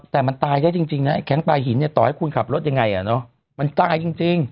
แต่มันตายได้จริงนะแก๊งปลาหินเนี่ยต่อให้คุณขับรถยังไงมันตายจริง